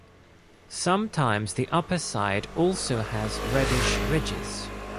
Sometimes the upper side also has reddish ridges.